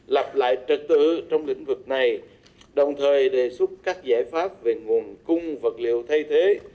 lập lại trật tự trong lĩnh vực này đồng thời đề xuất các giải pháp về nguồn cung vật liệu thay thế